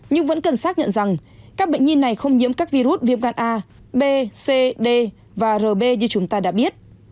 nhưng vẫn cần xác nhận rằng các bệnh nhi này không nhiễm các virus viêm gan a b cd và rb như chúng ta đã biết